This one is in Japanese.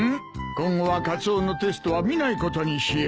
今後はカツオのテストは見ないことにしよう。